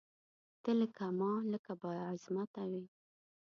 ته لکه مالکه بااعظمته وې